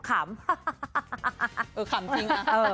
เออขำจริงอะ